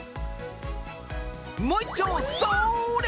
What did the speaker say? もう一丁それ！